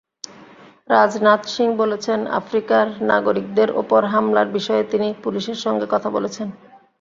রাজনাথ সিং বলেছেন, আফ্রিকার নাগরিকদের ওপর হামলার বিষয়ে তিনি পুলিশের সঙ্গে কথা বলেছেন।